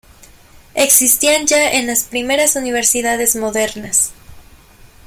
Existían ya en las primeras universidades modernas.